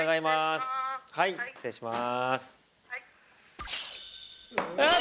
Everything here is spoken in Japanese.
はい失礼します